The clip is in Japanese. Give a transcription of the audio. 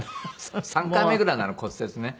３回目ぐらいなの骨折ね。